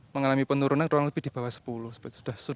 mengalami penurunan kurang lebih di bawah sepuluh